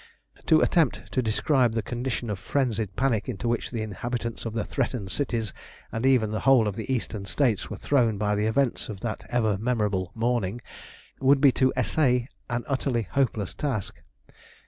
To attempt to describe the condition of frenzied panic into which the inhabitants of the threatened cities, and even the whole of the Eastern States were thrown by the events of that ever memorable morning, would be to essay an utterly hopeless task.